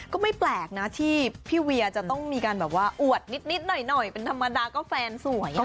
ก็ไม่แปลกนะที่พี่เวียจะต้องมีการแบบว่าอวดนิดหน่อยเป็นธรรมดาก็แฟนสวย